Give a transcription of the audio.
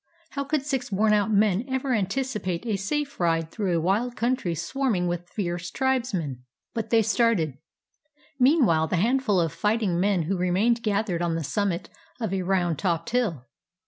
How could six worn out men ever anticipate a safe ride through a wild country swarming with fierce tribesmen. 276 THE HILL OF BONES But they started. Meanwhile the handful of fighting men who remained gathered on the summit of a round topped hill.